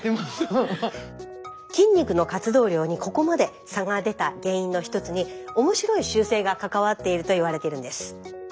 筋肉の活動量にここまで差が出た原因の一つに面白い習性が関わっていると言われてるんです。